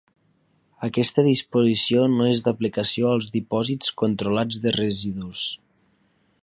Aquesta disposició no és d'aplicació als dipòsits controlats de residus.